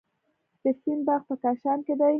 د فین باغ په کاشان کې دی.